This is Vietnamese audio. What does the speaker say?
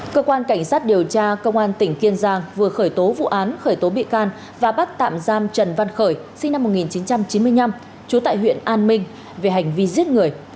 cơ quan cảnh sát điều tra công an tỉnh kiên giang vừa khởi tố vụ án khởi tố bị can và bắt tạm giam trần văn khởi sinh năm một nghìn chín trăm chín mươi năm trú tại huyện an minh về hành vi giết người